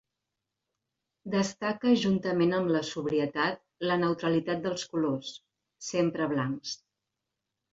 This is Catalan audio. Destaca juntament amb la sobrietat la neutralitat dels colors, sempre blancs.